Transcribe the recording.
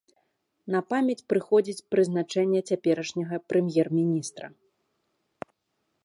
На памяць прыходзіць прызначэнне цяперашняга прэм'ер-міністра.